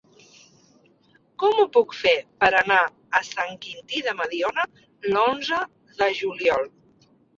Com ho puc fer per anar a Sant Quintí de Mediona l'onze de juliol?